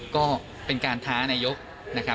ก็เป็นการท้านายก